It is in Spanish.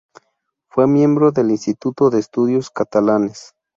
Fue miembro del Instituto de Estudios Catalanes.